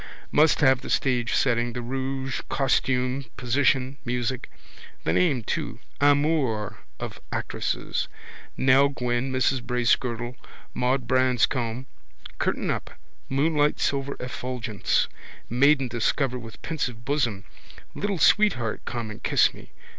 Must have the stage setting, the rouge, costume, position, music. The name too. Amours of actresses. Nell Gwynn, Mrs Bracegirdle, Maud Branscombe. Curtain up. Moonlight silver effulgence. Maiden discovered with pensive bosom. Little sweetheart come and kiss me.